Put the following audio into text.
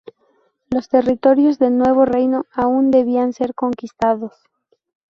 Los territorios del nuevo reino aún debían ser conquistados.